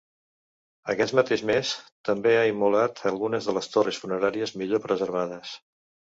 Aquest mateix mes, també ha immolat algunes de les torres funeràries millor preservades.